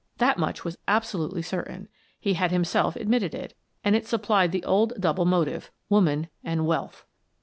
That much was absolutely certain; he had himself admitted it, and it supplied the old double motive: woman and wealth.